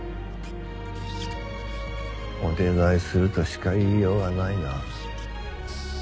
お願いするとしか言いようがないな。